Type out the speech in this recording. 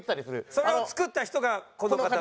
それを作った人がこの方。